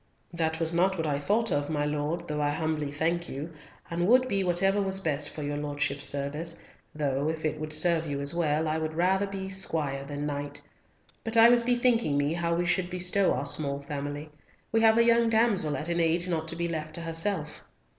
"That was not what I thought of, my Lord, though I humbly thank you, and would be whatever was best for your Lordship's service, though, if it would serve you as well, I would rather be squire than knight; but I was bethinking me how we should bestow our small family. We have a young damsel at an age not to be left to herself."